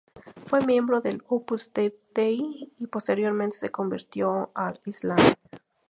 Fue miembro del Opus Dei y posteriormente se convirtió al Islam.